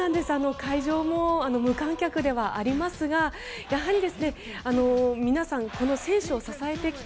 会場も無観客ではありますがやはり皆さん選手を支えてきた